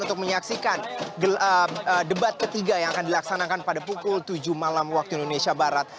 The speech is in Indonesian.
untuk menyaksikan debat ketiga yang akan dilaksanakan pada pukul tujuh malam waktu indonesia barat